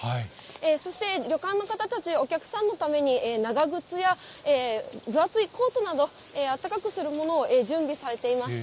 そして、旅館の方たち、お客さんのために長靴や分厚いコートなど、あったかくするものを準備されていました。